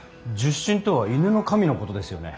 戌神とは戌の神のことですよね。